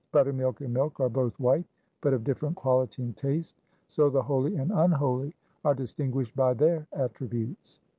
Buttermilk and milk are both white, but of different quality and taste — so the holy and unholy are distinguished by their attributes.